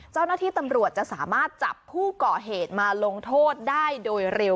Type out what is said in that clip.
เจ้าหน้าที่ตำรวจจะสามารถจับผู้ก่อเหตุมาลงโทษได้โดยเร็ว